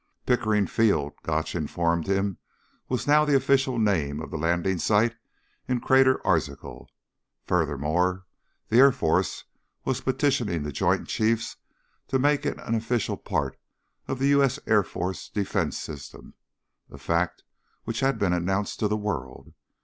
Pickering Field, Gotch informed him, was now the official name of the landing site in Crater Arzachel. Furthermore, the Air Force was petitioning the Joint Chiefs to make it an official part of the U.S. Air Force defense system. A fact which had been announced to the world.